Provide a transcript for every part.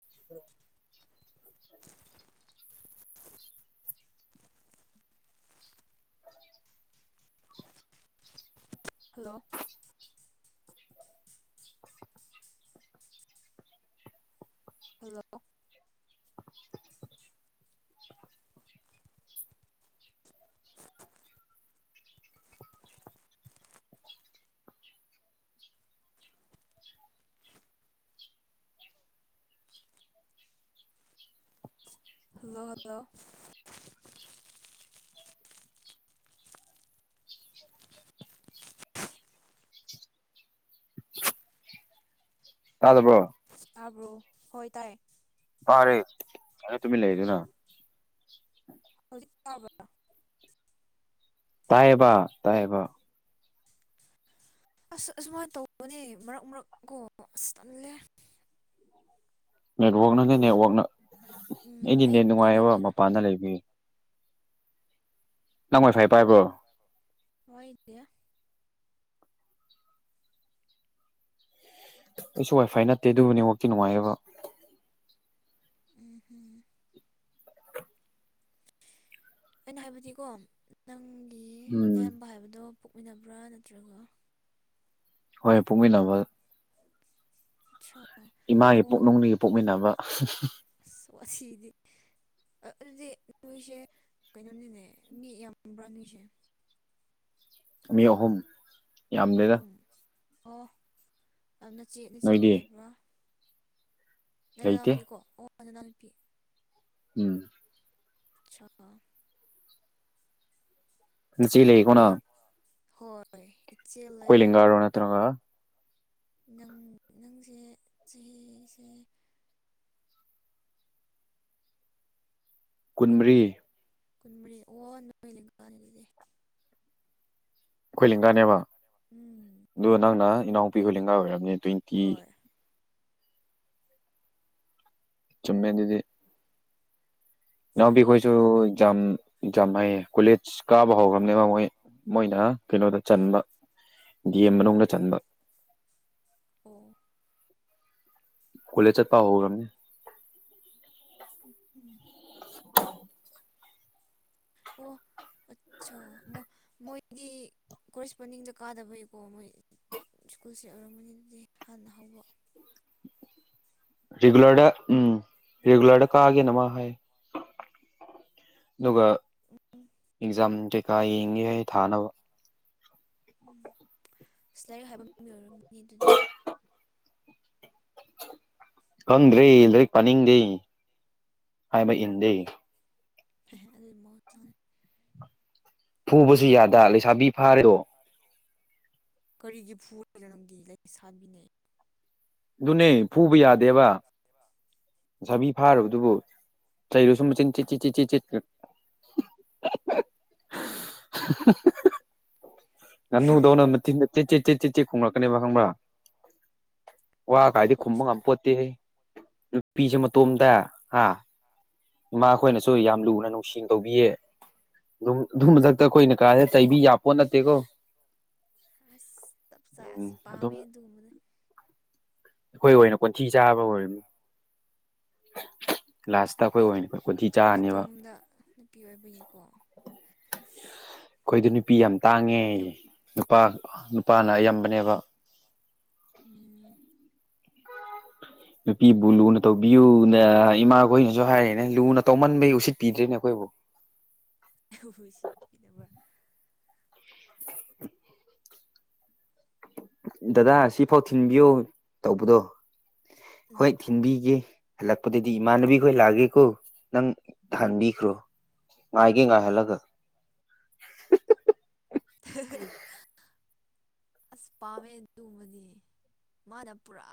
[inaudible] Hello hello hello hello ꯇꯥꯗꯕ꯭ꯔꯣ ꯇꯕ꯭ꯔꯣ ꯍꯣꯏ ꯇꯥꯏꯌꯦ ꯇꯥꯔꯦ [unintelligible] ꯇꯨꯃꯤꯟ ꯂꯩꯔꯤꯗꯨꯅ ꯍꯧꯖꯤꯛ ꯇꯥꯔꯕ꯭ꯔꯥ ꯇꯥꯏꯌꯦꯕ ꯇꯥꯏꯌꯦꯕ ꯑꯁ ꯑꯁꯨꯃꯥꯏ ꯇꯧꯕꯅꯦ ꯃꯔꯛ ꯃꯔꯛꯀꯣ ꯑꯁ ꯇꯜꯂꯦ ꯅꯦꯠꯋꯥꯛꯅꯅꯦ ꯅꯦꯠꯋꯥꯛꯅ ꯎꯝ ꯑꯩꯗꯤ ꯅꯦꯠ ꯑꯩꯒꯤꯔ ꯅꯨꯡꯉꯥꯏꯌꯦꯕ ꯅꯪꯒꯤꯔ ꯃꯄꯥꯟꯗ ꯂꯩꯕꯒꯤ ꯅꯪ ꯋꯥꯏ ꯐꯥꯏ ꯄꯥꯏꯕ꯭ꯔꯣ ꯍꯣꯏ ꯗꯤꯌꯥ ꯑꯩꯁꯨ ꯋꯥꯏꯐꯥꯏ ꯅꯠꯇꯦ ꯑꯗꯨꯕꯨ ꯅꯦꯋꯥꯛꯇꯤ ꯅꯨꯡꯉꯥꯏꯌꯦꯕ ꯎꯝ ꯍꯨꯝ ꯑꯩꯅ ꯍꯥꯏꯕꯗꯤꯀꯣ ꯅꯪꯒꯤ ꯎꯝ ꯅꯌꯥꯝꯕ ꯍꯥꯏꯕꯗꯣ ꯄꯣꯛꯃꯤꯟꯅꯕ꯭ꯔꯥ ꯅꯠꯇ꯭ꯔꯒ ꯍꯣꯏ ꯄꯣꯛꯃꯤꯟꯅꯕ ꯆꯣ [unintelligible] ꯏꯃꯥꯒꯤ ꯄꯨꯛꯅꯨꯡꯗꯒꯤ ꯄꯣꯛꯃꯤꯟꯅꯕ ꯑꯁ ꯋꯥꯁꯤꯗꯤ ꯑ ꯑꯗꯨꯗꯤ ꯅꯣꯏꯁꯦ ꯀꯩꯅꯣꯅꯤꯅꯦ ꯃꯤ ꯌꯥꯝꯕ꯭ꯔꯥ ꯅꯣꯏꯁꯦ ꯃꯤ ꯑꯍꯨꯝ ꯌꯥꯝꯗꯦꯗ ꯑꯍꯨꯝ ꯑꯣ ꯑꯗꯨ ꯅꯆꯦ ꯅꯆꯦꯗꯤ ꯅꯣꯏꯗꯤ ꯂꯩꯕ꯭ꯔꯣ ꯂꯩꯇꯦ ꯅꯅꯥꯎꯄꯤ ꯀꯣ ꯑꯣ ꯅꯅꯥꯎꯄꯤ ꯎꯝ ꯁꯛꯂꯛꯑꯣ ꯅꯆꯦ ꯂꯩꯀꯣ ꯑꯩ ꯅꯪ ꯍꯣꯏ ꯏꯆꯦ ꯑꯩꯈꯣꯏ ꯂꯩ ꯂꯦꯡꯒꯥꯔꯣ ꯅꯠꯇ꯭ꯔꯒ ꯅꯪ ꯅꯪꯁꯦ ꯆꯍꯤꯁꯦ ꯀꯨꯟ ꯀꯨꯟꯃꯔꯤ ꯀꯨꯟ ꯃꯔꯤ ꯑꯣ ꯂꯦꯡꯒꯥꯅꯦ ꯑꯗꯨꯗꯤ ꯑꯩꯈꯣꯏ ꯂꯦꯡꯒꯥꯅꯦꯕ ꯎꯝ ꯑꯗꯨ ꯅꯪꯅ ꯏꯅꯥꯎꯨꯄꯤꯈꯣꯏꯂꯦꯡꯒꯥ ꯑꯣꯏꯔꯝꯅꯤ ꯇ꯭ꯋꯦꯟꯇꯤ ꯍꯣꯏ ꯆꯨꯝꯃꯦ ꯑꯗꯨꯗꯤ ꯏꯅꯥꯎꯕꯤ ꯑꯩꯈꯣꯏꯁꯨ ꯖꯥꯝ ꯖꯥꯝ ꯍꯥꯏꯌꯦ ꯀꯣꯂꯦꯖ ꯀꯥꯕ ꯍꯧꯈ꯭ꯔꯕꯅꯦꯕ ꯃꯣꯏ ꯃꯣꯏꯅ ꯀꯩꯅꯣꯗ ꯆꯟꯕ ꯗꯤ ꯑꯦꯝ ꯃꯅꯨꯡꯗ ꯆꯟꯕ ꯑꯣ ꯀꯣꯂꯦꯖ ꯆꯠꯄ ꯍꯧꯔꯝꯅꯤ [unintelligible] ꯑꯣ ꯑꯠꯆꯥꯥ ꯃꯣꯏꯗꯤ ꯀꯣꯔꯦꯁꯄꯣꯟꯗꯤꯡꯗ ꯀꯥꯗꯕꯩꯀꯣ ꯃꯣꯏ ꯁ꯭ꯀꯨꯜꯁꯦ ꯌꯎꯔꯝꯕꯅꯤꯗꯤ ꯍꯥꯟꯅ ꯍꯧꯕ ꯔꯤꯒꯨꯂꯔꯗ ꯎꯝ ꯔꯤꯒꯨꯂꯔꯗ ꯀꯥꯒꯦꯅ ꯃꯥ ꯍꯥꯏ ꯑꯗꯨꯒ ꯑꯦꯛꯖꯥꯝ ꯀꯩꯀꯥ ꯌꯦꯡꯒꯦ ꯍꯥꯏ ꯊꯥꯅꯕ ꯎꯝ ꯑꯁ ꯂꯥꯏꯔꯤꯛ ꯍꯥꯏꯕ ꯃ ꯑꯣꯏꯔꯝꯒꯅꯤ ꯑꯗꯨꯗꯤ ꯈꯪꯗ꯭ꯔꯦ ꯂꯥꯏꯔꯤꯛ ꯄꯥꯅꯤꯡꯗꯦ ꯍꯥꯏꯕ ꯏꯟꯗꯦ ꯍ ꯑꯗꯨꯗꯤ ꯃꯧ [unintelligible] ꯐꯨꯕꯁꯨ ꯌꯥꯗ ꯂꯩꯁꯥꯕꯤ ꯐꯥꯔꯦꯗꯣ ꯀꯔꯤꯒꯤ ꯐꯨꯅꯣ ꯅꯪꯒꯤ ꯂꯩ ꯁꯥꯕꯤꯅꯩ ꯑꯗꯨꯅꯦ ꯐꯨꯕ ꯌꯥꯗꯦꯕ ꯀꯩꯕ ꯂꯩꯁꯥꯕꯤ ꯐꯥꯔꯕꯗꯨꯕꯣ ꯆꯩꯔꯁꯨ ꯃꯆꯤꯟ ꯆꯤꯠ ꯆꯤꯠ ꯆꯤꯠ ꯆꯤꯠ ꯆꯤꯠ [unintelligible] ꯉꯥꯅꯨꯗꯧꯅ ꯃꯆꯤꯟꯗ ꯆꯦ ꯆꯦ ꯆꯦꯠ ꯆꯦꯠ ꯈꯣꯡꯂꯛꯀꯅꯦꯕ ꯈꯪꯕ꯭ꯔꯥ ꯋꯥ ꯀꯥꯏꯗꯤ ꯈꯨꯝꯕ ꯈꯣꯡꯁꯨ ꯉꯝ ꯄꯣꯠꯇꯦ ꯅꯨꯄꯤꯁꯦ ꯃꯇꯣꯝꯗ ꯍꯥ ꯑꯥ ꯏꯃꯥꯈꯣꯏꯅꯁꯨ ꯌꯥꯝ ꯂꯨꯅ ꯅꯨꯡꯁꯤꯡꯅ ꯇꯧꯕꯤꯌꯦ ꯑꯗꯨ ꯃꯊꯛꯇ ꯑꯩꯈꯣꯏꯅ ꯀꯥꯏꯔꯦ ꯇꯩꯕꯤ ꯌꯥꯄꯣꯠ ꯅꯠꯇꯦꯀꯣ ꯑꯁ ꯇꯞ ꯆꯥꯏ ꯑꯁ ꯎꯝ ꯑꯗꯨꯝ ꯄꯥꯞꯃꯦ ꯗꯨꯝꯕꯅꯦ ꯑꯩꯈꯣꯏ ꯑꯣꯏꯅ ꯈꯣꯟꯊꯤ ꯆꯥꯕ ꯑꯣꯏꯔꯝꯅꯤ ꯂꯥꯁꯇ ꯑꯩꯈꯣꯏ ꯑꯣꯏꯅ ꯈꯣꯟꯊꯤ ꯆꯥꯅꯦꯕ ꯑꯥꯏꯇꯣꯝꯗ ꯅꯨꯄꯤ ꯑꯣꯏꯕꯒꯤꯀꯣ ꯑꯩꯈꯣꯏꯗ ꯅꯨꯄꯤ ꯌꯥꯝ ꯇꯥꯡꯉꯦ ꯌꯥꯝ ꯅꯨꯄꯥ ꯅꯨꯄꯥꯅ ꯑꯌꯥꯝꯕꯅꯦꯕ ꯎꯝ ꯅꯨꯄꯤꯕꯨ ꯂꯨꯅ ꯇꯧꯕꯤꯌꯨꯅ ꯏꯃꯥꯈꯣꯏꯅꯁꯨ ꯍꯥꯏꯔꯛꯦꯅꯦ ꯂꯨꯅ ꯇꯧꯃꯟꯕꯩ ꯎꯁꯤꯠꯄꯤꯗ꯭ꯦꯅꯦ ꯑꯩꯈꯣꯏꯕꯨ ꯁꯤꯠ ꯀꯗꯕ ꯗꯗꯥ ꯁꯤꯐꯥꯎ ꯊꯤꯟꯕꯤꯌꯣ ꯇꯧꯕꯗꯣ ꯎꯝ ꯍꯣꯏ ꯊꯤꯟꯕꯤꯒꯦ ꯍꯜꯂꯛꯄꯗꯗꯤ ꯏꯃꯥꯟꯅꯕꯤ ꯈꯈꯣꯏ ꯂꯥꯛꯑꯒꯦꯀꯣ ꯅꯪ ꯊꯍꯟꯕꯤꯈ꯭ꯔꯣ ꯉꯥꯢꯒꯦ ꯉꯥꯢꯍꯜꯂꯒ [unintelligible] ꯑꯁ ꯄꯥꯝꯃꯦ ꯑꯗꯨꯒꯨꯝꯕꯗꯤ ꯃꯥꯅ ꯄꯨꯔꯥ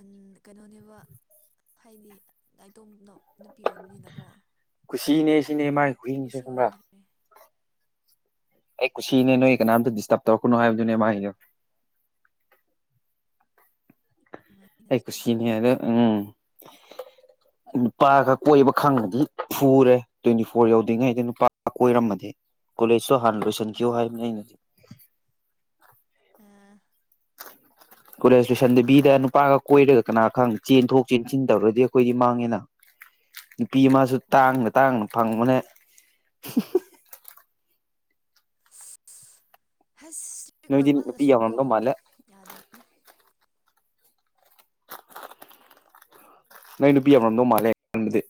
ꯎ ꯀꯩꯅꯣꯅꯦꯕ ꯍꯥꯏꯗꯤ ꯅꯥꯏꯇꯣꯅꯣ ꯅꯨꯄꯤ ꯑꯣꯏꯕꯅꯤꯅꯀꯣ ꯀꯨꯁꯤꯅꯦ ꯁꯤꯅꯦ ꯃꯥꯒꯤ ꯈꯨꯍꯤꯡꯁꯦ ꯀꯨꯁꯤ ꯈꯪꯕ꯭ꯔꯥ ꯑꯣꯏꯈ꯭ꯔꯦ ꯑꯩ ꯀꯨꯁꯤꯅꯦ ꯅꯣꯏ ꯀꯅꯥꯝꯇ ꯗꯤꯁꯇꯔꯕ ꯇꯧꯔꯛꯀꯅꯣꯕꯗꯨꯅꯦ ꯃꯥꯒꯤꯗꯣ ꯅꯨꯡꯉꯥꯏꯅ ꯑꯩꯨ ꯑꯗꯨꯗꯤ ꯁꯤꯅꯤꯔ ꯎꯝ ꯅꯨꯄꯥꯒ ꯀꯣꯏꯕ ꯈꯪꯕꯗꯤ ꯐꯨꯔꯦ ꯇ꯭ꯋꯦꯟꯇꯤ ꯐꯣꯔ ꯌꯧꯗ꯭ꯔꯤꯉꯩꯗ ꯅꯨꯄꯥꯒ ꯀꯣꯏꯔꯝꯃꯗꯤ ꯀꯣꯂꯦꯖꯁꯨ ꯍꯥꯟꯅ ꯂꯣꯏꯁꯤꯟꯈꯤꯕꯌꯣ ꯍꯥꯏꯕꯅꯤ ꯑꯩꯅꯗꯤ ꯑ ꯍ ꯀꯣꯂꯦꯖ ꯇꯨꯁꯟ ꯕꯤꯗ ꯅꯨꯄꯥꯒ ꯀꯣꯏꯔꯒ ꯀꯅꯥ ꯈꯪ ꯆꯦꯟꯊꯣꯛ ꯆꯦꯟꯁꯤꯟ ꯇꯧꯔꯗꯤ ꯑꯩꯈꯣꯏꯗꯤ ꯃꯥꯡꯉꯦꯅ ꯅꯨꯄꯤ ꯑꯃꯁꯁꯨ ꯍꯣꯏ ꯇꯥꯡꯅ ꯇꯥꯡꯅ ꯐꯪꯕꯅꯦ ꯍꯁ ꯏꯁꯇ꯭ꯔꯤꯛ ꯅꯣꯏꯗꯤ ꯅꯨꯄꯤ ꯑꯣꯏꯃꯗꯁꯨ ꯀꯣ ꯌꯥꯝꯔꯝꯗꯧ ꯃꯥꯜꯂꯦ ꯌꯥꯗꯕꯅꯦ ꯅ ꯅꯨꯄꯤ ꯌꯥꯝꯅꯝ ꯅꯣ ꯃꯥꯂꯦ ꯅꯗꯤ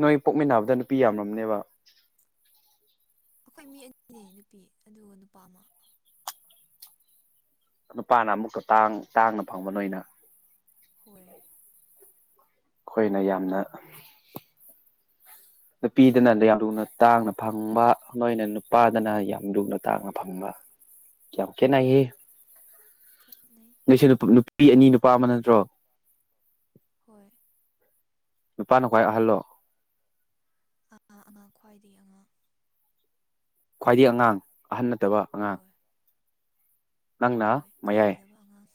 ꯅꯣꯏ ꯄꯣꯛꯃꯤꯟꯅꯕꯗ ꯅꯨꯄꯤ ꯌꯥꯝꯝꯅꯦꯕ ꯑꯩꯈꯣꯏ ꯃꯤ ꯑꯅꯤꯅꯦ ꯅꯨꯄꯤ ꯑꯗꯨꯒ ꯅꯨꯄꯥ ꯑꯃ ꯅꯨꯄꯥꯅ ꯑꯃꯨꯛꯀ ꯇꯥꯡ ꯇꯥꯡꯅ ꯐꯪꯕ ꯅꯣꯏꯅ ꯍꯣꯏ ꯈꯣꯏꯅ ꯌꯥꯝꯅ ꯅꯨꯄꯤꯗꯅ ꯌꯥꯝ ꯂꯨꯅ ꯇꯥꯡꯅ ꯐꯪꯕ ꯅꯣꯏꯅ ꯄꯥꯗꯅ ꯌꯥꯝ ꯂꯨꯅ ꯇꯥꯡꯅ ꯐꯪꯕ ꯌꯥꯝ ꯈꯦꯠꯅꯩꯍꯦ ꯈꯦꯠꯅꯩ ꯅꯣꯏꯁꯦ ꯅꯨꯄꯤ ꯑꯅꯤ ꯅꯨꯄꯥ ꯑꯃ ꯅꯠꯇ꯭ꯔꯣ ꯍꯣꯏ ꯅꯨꯄꯥꯅ ꯈ꯭ꯋꯥꯏ ꯑꯍꯜꯂꯣ ꯑ ꯑꯉꯥꯡ ꯈ꯭ꯋꯥꯏꯗꯒꯤ ꯑꯉꯥꯡ ꯈ꯭ꯋꯥꯏꯗꯒꯤ ꯑꯉꯥꯡ ꯑꯍꯟ ꯅꯠꯇꯕ ꯑꯉꯥꯡ ꯍꯣꯏ ꯅꯪꯅ ꯍꯣꯏ ꯃꯌꯥꯏ ꯀꯥꯏꯅꯗꯕ ꯑꯉꯥꯡ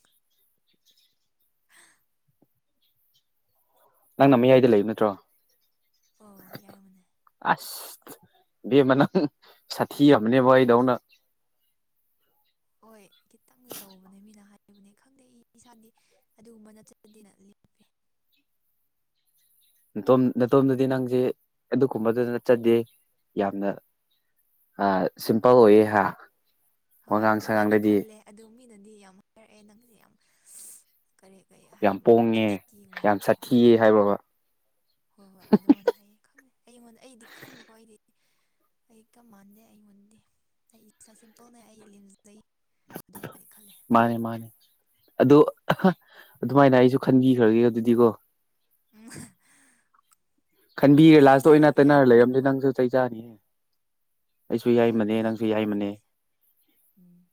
ꯅꯪꯅ ꯃꯌꯥꯏꯗ ꯂꯩꯕ ꯅꯠꯇ꯭ꯔꯣ ꯑꯣ ꯌꯥꯏꯃꯅꯦ ꯑꯁ ꯕꯦꯃꯅꯪ ꯁꯥꯊꯤ ꯑꯃꯅꯦꯕ ꯑꯩꯗꯧꯅ ꯍꯣꯏ ꯈꯤꯇꯪꯗꯤ ꯇꯧꯕꯅꯦ ꯃꯤꯅ ꯍꯥꯏꯕꯅꯦ ꯈꯪꯗꯦ ꯏꯁ ꯏꯁꯥꯗꯤ ꯑꯗꯨꯒꯨꯝꯕ ꯅꯠꯇ꯭ꯔꯗꯤ ꯅ ꯣꯝ ꯅꯇꯣꯝꯗꯗꯤ ꯅꯪꯁꯦ ꯑꯗꯨꯒꯨꯝꯕꯗꯨ ꯅꯠꯆꯗꯦ ꯌꯥꯝꯅ ꯑ ꯁꯤꯝꯄꯜꯒ ꯑꯣꯏ ꯍꯥ ꯍꯣꯏ ꯋꯥꯉꯥꯡ ꯑꯗꯨꯃꯥꯏꯅ ꯁꯉꯥꯡꯗꯗꯤ ꯈꯜꯂꯦ ꯑꯗꯨ ꯃꯤꯅꯗꯤ ꯌꯥꯝ ꯍꯥꯏꯔꯛꯑꯦ ꯅꯪꯁꯦ ꯌꯥꯝ ꯀꯔꯤ ꯀꯔꯤ ꯌꯥꯝ ꯑꯗꯨꯝ ꯄꯣꯡꯉꯦ ꯆꯠꯊꯒꯨꯝꯕ ꯌꯥꯝ ꯁꯥꯊꯤꯌꯦ ꯍꯣꯏ ꯍꯥꯏꯕꯕ ꯍꯣꯏ ꯍꯣꯏ ꯑꯗꯨꯃꯣꯟꯅ ꯍꯥꯏꯌꯦ ꯈꯪꯗꯦ ꯑꯩꯉꯣꯟꯗ ꯑꯩꯗꯤ ꯈꯪꯗꯦꯀꯣ ꯑꯩꯗꯤ ꯑꯩ ꯀꯞ ꯃꯥꯟꯗꯦ ꯑꯩꯉꯣꯟꯗꯦ ꯑꯩ ꯏꯁꯥ ꯁꯤꯝꯄꯜꯅꯦ ꯑꯩ ꯂꯦꯝꯖꯩ ꯑꯗꯨꯃꯥꯏꯗꯤ ꯈꯜꯂꯦ ꯃꯥꯅꯦ ꯃꯥꯅꯦ ꯑꯗꯣ ꯑꯗꯨꯃꯥꯏꯅ ꯑꯩꯁꯨ ꯈꯟꯕꯤꯈ꯭ꯔꯒꯦ ꯑꯗꯨꯗꯤꯀꯣ ꯎ ꯈꯟꯕꯤꯔꯦ ꯂꯥꯁꯇ ꯑꯣꯏꯅ ꯇꯅꯔ ꯂꯩꯔꯝꯁꯦ ꯅꯪꯁꯨ ꯆꯩꯆꯥꯥꯅꯤꯍꯦ ꯑꯩꯁꯨ ꯌꯥꯏꯃꯅꯦ ꯌꯥꯏꯃꯅꯦꯕ ꯅꯪꯁꯨ ꯑꯩꯈꯣꯏ ꯌꯥꯏꯃꯅꯦ ꯑꯅꯤꯁꯦ ꯎꯝ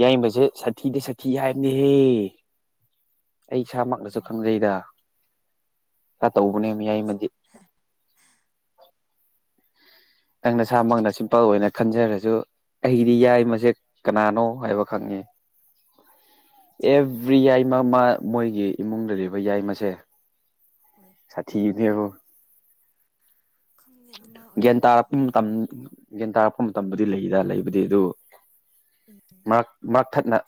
ꯌꯥꯏꯕꯁꯦ ꯁꯥꯊꯤꯗ ꯁꯥꯊꯤ ꯍꯥꯏꯕꯅꯤꯍꯦ ꯑꯩ ꯏꯁꯥꯃꯛꯅꯁꯨ ꯎꯝ ꯈꯪꯖꯩꯗ ꯈꯔ ꯇꯧꯕꯅꯦ ꯅꯁꯥꯃꯛꯅꯁꯨ ꯌꯥꯏꯃꯗꯤ ꯅꯪ ꯅꯁꯥꯃꯛꯅ ꯁꯤꯝꯄꯜ ꯑꯣꯏꯅ ꯈꯟꯖꯔꯁꯨ ꯑꯩꯒꯤꯗꯤ ꯌꯥꯏ ꯃꯁꯦ ꯀꯅꯥꯅꯣ ꯍꯥꯏꯕ ꯈꯪꯉꯦ ꯑꯠꯆꯥ ꯑꯦꯕ꯭ꯔꯤ ꯌꯥꯏꯃ ꯃꯥ ꯃꯣꯏꯒꯤ ꯏꯃꯨꯡꯗ ꯌꯥꯏꯃꯁꯦ ꯍꯣꯏ ꯁꯥꯊꯤꯗꯦꯕꯣ ꯈꯪꯗꯦ ꯑꯗꯨꯃꯥꯏꯅ ꯒ꯭ꯌꯥꯟ ꯑꯣꯏꯕ꯭ꯔꯥ ꯇꯥꯔꯛꯄ ꯍꯣꯏ ꯃꯇꯝ ꯒ꯭ꯌꯥꯟ ꯇꯥꯔꯛꯄ ꯃꯇꯝꯗꯗꯤ ꯂꯩꯗ ꯂꯩꯕꯗꯤ ꯑꯗꯨ ꯎꯝ ꯃꯔꯛ ꯃꯔꯛꯊꯠꯅ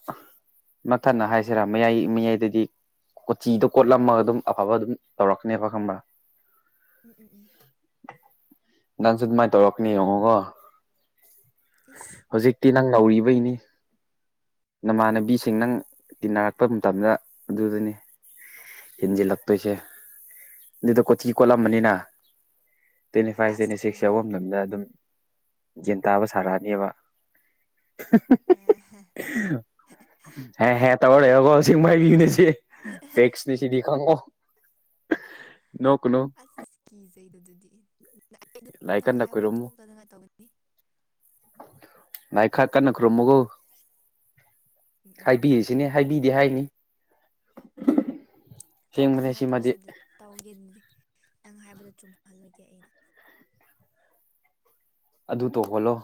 ꯃꯛꯊꯠꯅ ꯍꯥꯏꯁꯤꯔꯥ ꯃꯌꯥꯏ ꯃꯌꯥꯏꯗꯗꯤ ꯀꯣꯆꯤꯗꯣ ꯀꯣꯠꯂꯝꯃꯒ ꯑꯗꯨꯝ ꯑꯐꯕ ꯑꯗꯨꯝ ꯇꯧꯔꯛꯅꯦꯕ ꯈꯪꯕ꯭ꯔꯥ ꯎꯝ ꯎꯝ ꯎꯝ ꯅꯪꯁꯨ ꯑꯗꯨꯃꯥꯏꯅ ꯇꯧꯔꯛꯀꯅꯦ ꯌꯦꯡꯉꯣꯀꯣ ꯏꯁ ꯍꯧꯖꯤꯛꯇꯤ ꯅꯪ ꯅꯧꯔꯤꯕꯩꯅꯤ ꯅꯃꯥꯟꯅꯕꯤꯁꯤꯡ ꯅꯪ ꯇꯤꯟꯅꯔꯛꯄ ꯃꯇꯝꯗ ꯑꯗꯨꯗꯨꯅꯤ꯫ ꯍꯤꯟꯖꯤꯜ ꯂꯛꯛꯇꯣꯏꯁꯦ ꯑꯗꯨꯏꯗꯣ ꯀꯣꯆꯤ ꯀꯣꯠꯂꯝꯕꯅꯤꯅ ꯇ꯭ꯋꯦꯟꯇꯤ ꯐꯥꯏꯚ ꯑꯁ ꯇ꯭ꯋꯦꯟꯇꯤ ꯁꯤꯛꯁ ꯇꯧꯕꯅꯦ ꯌꯧꯕ ꯃꯇꯝꯗ ꯑꯗꯨꯝ ꯌꯦꯟ ꯇꯥꯕ ꯁꯥꯔꯛꯑꯅꯦꯕ ꯍꯦ ꯇꯣ ꯀꯣ ꯁꯤꯃꯥꯏ ꯍꯨꯁꯤꯅꯤ꯫ ꯐꯦꯛꯁꯅꯦ ꯁꯤꯗꯤ ꯈꯪꯑꯣ ꯅꯣꯛꯀꯅꯨ ꯑꯁ ꯀꯤꯖꯩꯗꯨ ꯑꯗꯨꯗꯤ ꯑꯩ ꯑꯗꯨꯝ ꯂꯥꯏꯔꯤꯛ ꯅꯪꯅ ꯍꯥꯏꯕꯗꯣ ꯊꯣꯛꯇꯗꯉꯥꯏ ꯇꯧꯒꯅꯤ꯫ ꯉꯥꯏ ꯈꯔ ꯀꯟꯅ ꯈꯨꯔꯨꯝꯃꯣꯒꯣ ꯎꯝ ꯎꯝ ꯎꯝ ꯍꯥꯏꯕꯤ ꯁꯤꯅ ꯍꯥꯏꯕꯤꯗꯦ ꯍꯥꯏꯅꯤ ꯑꯁꯦꯡꯕꯅꯦ ꯊꯣꯛꯇꯅꯉꯥꯏ ꯁꯤꯃꯗꯤ ꯇꯧꯕꯁꯤꯗ ꯇꯧꯒꯦꯅꯗꯤ ꯅꯪ ꯍꯥꯏꯕꯗꯣ ꯆꯨꯝꯍꯜꯂꯣꯏꯒꯦ ꯑꯩꯅ ꯑꯗꯨ ꯇꯧꯍꯣꯜꯂꯣ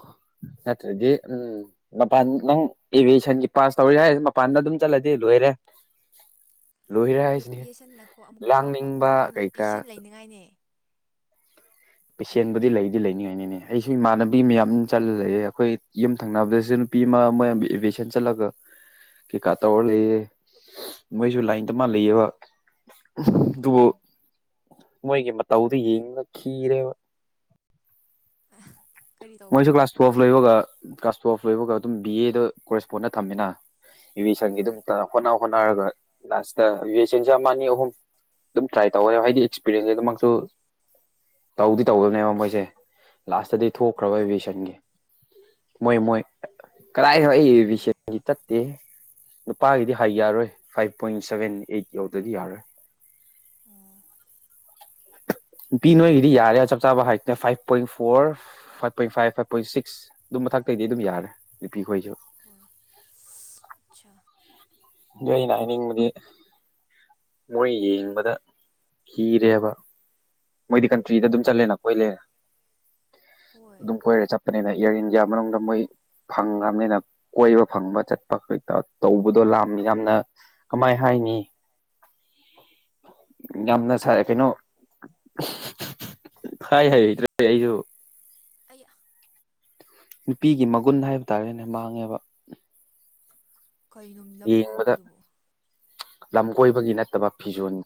ꯅꯠꯇ꯭ꯔꯗꯤ ꯎꯝ ꯃꯄꯥꯟ ꯅꯪ ꯑꯦꯚꯤꯌꯦꯁꯟꯒꯤ ꯄꯥꯁ ꯇꯧꯔꯤ ꯍꯥꯏ ꯃꯄꯥꯟꯗ ꯑꯗꯨꯝ ꯆꯠꯂꯗꯤ ꯂꯣꯏꯔꯦ꯫ ꯂꯣꯏꯔꯦ ꯍꯥꯏꯁꯤꯅꯦ ꯑꯦꯚꯤꯌꯦꯁꯟꯅꯀꯣ ꯂꯥꯡꯅꯤꯡꯕ ꯀꯩꯀꯥ ꯍꯥꯏꯅꯤꯡꯉꯥꯏꯅꯦ ꯫ ꯄꯦꯁꯦꯡꯕꯨꯗꯤ ꯂꯩꯗꯤ ꯂꯩꯅꯤꯡꯉꯥꯏꯅꯤꯅꯦ ꯑꯩꯁꯨ ꯏꯃꯥꯟꯅꯕꯤ ꯃꯌꯥꯝ ꯆꯠꯂ ꯂꯩꯑꯦ ꯑꯩꯈꯣꯏ ꯌꯨꯝ ꯊꯪꯅꯕꯗꯁꯨ ꯅꯨꯄꯤ ꯑꯃ ꯃꯣꯏ ꯏꯚꯦꯁꯟ ꯆꯠꯂꯒ ꯀꯩꯀꯥ ꯇꯧꯔ ꯂꯩꯌꯦ꯫ ꯃꯣꯏꯁꯨ ꯂꯥꯏꯟ ꯇ ꯃꯥꯅ ꯂꯩꯑꯕ ꯑꯗꯨ ꯎꯝ ꯃꯣꯏꯒꯤ ꯃꯇꯧꯗꯨ ꯌꯦꯡꯗꯨꯅ ꯈꯤꯔꯦꯕ꯫ [unintelligible] ꯃꯣꯏꯁꯨ ꯀ꯭ꯂꯥꯁ ꯇꯨꯋꯦꯜ ꯂꯣꯏꯒ ꯀ꯭ꯂꯥꯁ ꯇꯨ ꯂꯣꯏꯕꯒ ꯑꯗꯨꯝ ꯕꯤ ꯑꯦꯗ ꯀꯣꯔꯦꯁ ꯐꯣꯟꯗ ꯊꯝꯃꯤꯅ ꯍꯣꯏ ꯑꯕꯦꯁꯪꯒꯤꯗꯨꯃꯛꯇ ꯍꯣꯠꯅ ꯍꯣꯠꯅꯔꯒ ꯂꯥꯁꯇ꯭ ꯑꯕꯤꯁꯟꯁꯦ ꯑꯃꯅꯤ ꯑꯅꯤ ꯑꯍꯨꯝ ꯑꯗꯨꯝ ꯇ꯭ꯔꯥꯏ ꯇꯧꯕ ꯌꯥ ꯍꯥꯏꯗꯤ ꯑꯦꯛꯁꯄꯤꯔꯟꯁꯁꯦ ꯑꯗꯨꯃꯛꯁꯨ ꯇꯧꯗꯤ ꯇꯧꯗꯕꯅꯦꯕ ꯃꯣꯏꯁꯦ ꯂꯥꯁꯇꯗꯤ ꯍꯣꯏ ꯊꯣꯛꯈ꯭ꯔꯕ ꯅꯪ ꯏꯕꯤꯁꯟꯒꯤ ꯃꯣꯏ ꯃꯣꯏ ꯀꯥꯏꯔꯥꯏ ꯑꯩ ꯑꯣ ꯑꯌꯦꯁ ꯇꯦ꯫ ꯅꯨꯄꯥꯒꯤꯗꯤ ꯍꯥꯏ ꯌꯥꯔꯣꯏ ꯐꯥꯏꯚ ꯄꯣꯏꯟ ꯁꯕꯦꯟ ꯑꯩꯠ ꯌꯧꯗꯗꯤ ꯌꯥꯔꯣꯏ꯫ ꯑꯣ ꯅꯨꯄꯤ ꯅꯣꯏꯒꯤꯗꯤ ꯌꯥꯔꯦ ꯆꯞ ꯆꯥꯕ ꯍꯥꯏꯅꯦ five point four five point five five point six ꯑꯗꯨꯝ ꯃꯊꯛꯇꯇꯩꯒꯤꯗꯤ ꯑꯗꯨꯝ ꯌꯥꯔꯦ ꯅꯨꯄꯤꯈꯣꯏꯁꯨ ꯍꯣꯏ ꯑꯠꯆꯥ ꯑꯗꯨ ꯑꯩꯅ ꯍꯥꯏꯅꯤꯡꯕꯗꯤ꯫ ꯃꯣꯏ ꯌꯦꯡꯕꯗ ꯀꯤꯔꯦꯕ ꯃꯣꯏꯗꯤ ꯀꯟꯇ꯭ꯔꯤꯗ ꯑꯗꯨꯝ ꯆꯂꯦ ꯀꯣꯏꯂꯦ꯫ ꯍꯣꯏ ꯑꯗꯨꯝ ꯀꯣꯏꯔꯦ ꯆꯠꯄꯅꯤꯅ ꯏꯌꯥꯔ ꯏꯟꯗꯤꯌꯥ ꯃꯅꯨꯡꯗ ꯃꯣꯏ ꯐꯪꯉ꯭ꯔꯕꯅꯤꯅ ꯀꯣꯏꯕ ꯐꯪꯕ ꯆꯠꯄ ꯈꯛꯇ ꯇꯧꯕꯗꯣ ꯂꯥꯛ ꯌꯥꯝꯅ ꯀꯃꯥꯏ ꯍꯥꯏꯅꯤ꯫ ꯌꯥꯝꯅ ꯁꯥꯏ ꯀꯩꯅꯣ ꯍꯥꯏ ꯍꯩꯩꯇ꯭ꯔꯦ ꯑꯩꯁꯨ ꯑꯌꯥ ꯅꯨꯄꯤꯒꯤ ꯃꯒꯨꯟ ꯍꯥꯏꯕ ꯇꯥꯔꯦꯅꯦ ꯃꯥꯡꯉꯦꯕ ꯀꯩꯅꯨꯡꯒꯤ ꯂꯝ ꯌꯦꯡꯕꯗ ꯀꯣꯏꯕꯗꯨꯕꯨ ꯂꯝ ꯀꯣꯏꯕꯒꯤ ꯅꯠꯇꯕ ꯐꯤꯖꯣꯜ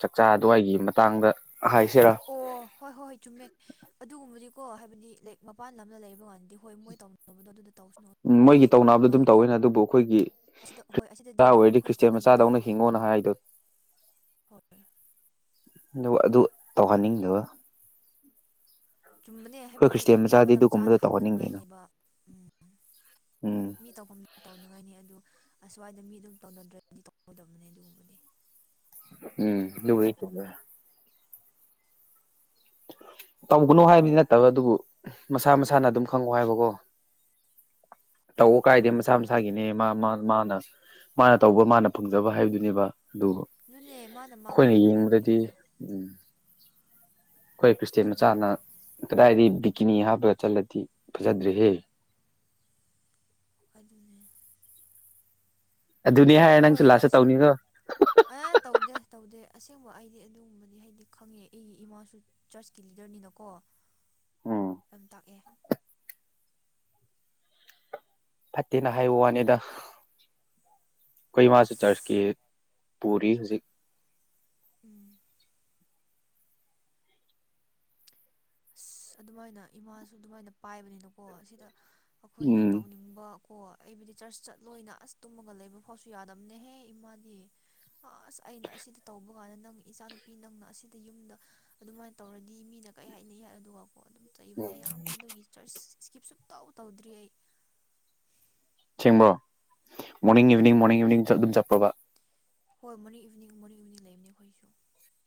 ꯆꯥꯛꯆꯥ ꯑꯗꯨꯋꯥꯏꯒꯤ ꯃꯇꯥꯡꯗ ꯍꯥꯏꯁꯤꯔꯥ ꯑꯣ ꯍꯣꯏ ꯍꯣꯏ ꯆꯨꯝꯃꯦ꯫ ꯑꯗꯨꯒꯨꯝꯕꯗꯤꯀꯣ ꯍꯥꯏꯕꯗꯤ ꯂꯥꯏꯛ ꯃꯄꯥꯟ ꯂꯝꯅ ꯂꯩꯕ ꯀꯥꯟꯗꯗꯤ ꯍꯣꯏ ꯃꯣꯏ ꯇꯧꯅꯕꯗꯣ ꯑꯗꯨꯗ ꯇꯧꯁꯅꯣ ꯑꯗꯨꯕꯨ ꯃꯣꯏꯒꯤ ꯁꯤꯗ ꯂꯥꯛꯄ ꯇꯧꯅꯕꯗꯣ ꯑꯗꯨꯝ ꯀꯥꯟꯗꯗꯤ꯫ ꯇꯧꯋꯤꯅ ꯑꯗꯨꯕꯨ ꯑꯩꯈꯣꯏꯒꯤ ꯑꯁꯤꯗ ꯍꯣꯏ ꯑꯁꯤꯗꯗꯤ ꯃꯆꯥ ꯑꯗꯨꯝ ꯑꯣꯏꯔꯗꯤ ꯑꯩꯈꯣꯏ ꯈ꯭ꯔꯤꯁꯇꯦꯟ ꯆꯠꯅꯕꯤꯗꯣ ꯃꯆꯥꯗꯧꯅ ꯍꯤꯡꯉꯣꯅ ꯍꯥꯏꯗꯣ ꯍꯣꯏ꯫ ꯑꯗꯨ ꯑꯗꯨ ꯇꯧꯍꯟꯅꯤꯡꯗꯕ ꯆꯨꯝꯕꯅꯦ ꯑꯩꯈꯣꯏ ꯍꯥꯏꯕꯗꯤ ꯈ꯭ꯔꯤꯁꯇꯦꯟ ꯃꯇꯝ ꯃꯆꯥꯗꯤ ꯃꯇꯝ ꯆꯥꯅ ꯑꯗꯨꯒꯨꯝꯕꯗꯣ ꯇꯧꯍꯟꯅꯤꯡꯗꯦꯅ ꯍꯥꯞꯅꯉꯥꯏꯅꯦꯕ ꯎꯝ ꯎꯝ ꯃꯤꯠ ꯇꯧꯐꯝꯅ ꯇꯧꯅꯉꯥꯏꯅꯤ ꯑꯗꯨ ꯑꯁ꯭ꯋꯥꯏꯗ ꯃꯤ ꯑꯗꯨꯝ ꯇꯧꯅꯗ꯭ꯔꯗꯤ ꯇꯧꯒꯗꯕꯅꯦ ꯑꯗꯨꯒꯨꯝꯕꯗꯤ ꯎꯝ ꯑꯗꯨꯕꯨꯗꯤ ꯆꯨꯝꯃꯦ꯫ ꯇꯧꯒꯅꯣ ꯍꯥꯏꯕꯗꯤ ꯅꯠꯇꯕ ꯑꯗꯨꯕꯨ ꯃꯁꯥ ꯃꯁꯥꯅ ꯑꯗꯨꯝ ꯈꯪꯉꯣ ꯍꯥꯏꯕꯀꯣ ꯍꯣꯏ ꯇꯧꯕ ꯀꯥꯏꯗꯦ ꯆꯨꯝꯃꯦ ꯃꯆꯥ ꯃꯁꯥꯒꯤꯅꯦ ꯃꯥ ꯃꯥ ꯃꯥꯅ ꯃꯥꯅ ꯇꯧꯕ ꯃꯥꯅ ꯐꯪꯖꯕ ꯍꯥꯏꯕꯗꯨꯅꯦꯕ ꯑꯗꯨꯕꯨ ꯑꯗꯨꯅꯦ ꯃꯥꯅ ꯑꯩꯈꯣꯏꯅ ꯃꯥꯡꯖꯕꯅꯦ ꯌꯦꯡꯕꯗꯗꯤ ꯑꯗꯨꯗꯤꯀꯣ ꯎꯝ ꯑꯩꯈꯣꯏ ꯈ꯭ꯔꯤꯁꯇꯦꯟ ꯆꯨꯝꯃꯦ ꯃꯆꯥꯅ ꯀꯗꯥꯏꯗ ꯕꯤꯀꯤꯅꯤ ꯍꯥꯞꯄꯒ ꯆꯠꯂꯗꯤ ꯐꯖꯗ꯭ꯔꯦꯍꯦ ꯑꯗꯨꯅꯦ ꯑꯗꯨꯅꯤ ꯍꯥꯏꯔ ꯅꯪꯁꯨ ꯂꯥꯁꯠꯇ ꯇꯧꯅꯤꯒꯣ ꯑ ꯇꯧꯗꯦ ꯇꯧꯗꯦ ꯑꯁꯦꯡꯕ ꯑꯩꯗꯤ ꯑꯗꯨꯒꯨꯝꯕꯗꯤ ꯍꯥꯏꯗꯤ ꯈꯪꯉꯦ ꯑꯩ ꯏꯃꯥꯁꯨ ꯆꯔꯆꯀꯤ ꯂꯤꯗꯔꯅꯤꯅꯀꯣ ꯎꯝ ꯑꯗꯨꯝ ꯇꯥꯛꯑꯦ ꯐꯠꯇꯦꯅ ꯍꯥꯏꯌꯦ ꯋꯥꯅꯤꯗ ꯑꯩꯈꯣꯏ ꯃꯥ ꯆꯔꯆꯀꯤ ꯄꯨꯔꯤ ꯍꯧꯖꯤꯛ ꯎꯝ ꯑꯁ ꯑꯗꯨꯃꯥꯏꯅ ꯏꯃꯥꯁꯨ ꯑꯗꯨꯃꯥꯏꯅ ꯄꯥꯏꯕꯅꯤꯅꯀꯣ ꯑꯁꯤꯗ ꯑꯩꯈꯣꯏꯅ ꯎꯝ ꯇꯧꯅꯤꯡꯕ ꯀꯣ ꯑꯩꯕꯨꯗꯤ ꯆꯔꯆ ꯆꯠꯂꯣꯏꯅ ꯑꯁ ꯇꯨꯝꯃꯒ ꯂꯩꯕ ꯐꯥꯎꯁꯨ ꯌꯥꯗꯝꯕꯅꯦꯍꯦ ꯏꯃꯥꯗꯤ ꯑꯁ ꯑꯩꯅ ꯑꯁꯤꯗ ꯇꯧꯕ ꯀꯥꯟꯗ ꯅꯪ ꯏꯆꯥ ꯅꯨꯨꯄꯤ ꯅꯪꯅ ꯑꯁꯤꯗ ꯌꯨꯝꯗ ꯑꯗꯨꯃꯥꯏꯅ ꯇꯧꯔꯗꯤ ꯃꯤꯅ ꯀꯔꯤ ꯍꯥꯏꯅ ꯌꯥꯏ ꯑꯗꯨꯒ ꯑꯣ ꯑꯗꯨꯝ ꯆꯩꯕꯅꯦ ꯌꯥꯝ ꯑꯗꯨꯒꯤ ꯆꯔꯁ ꯏꯁꯀꯤꯞ ꯁꯨꯝ ꯇꯧ ꯇꯧꯗ꯭ꯔꯤ ꯑꯩ ꯑꯁꯦꯡꯕ꯭ꯔꯣ morning um evening morning evening ꯑꯗꯨꯝ ꯆꯠꯄ꯭ꯔꯣꯕ ꯍꯣꯏ ꯃꯦꯔꯅꯤꯡ ꯏꯚꯤꯅꯤꯡ ꯃꯣꯔꯅꯤꯡ ꯏꯚꯤꯅꯤꯡ ꯂꯩꯕꯅꯦ ꯑꯩꯈꯣꯏꯁꯨ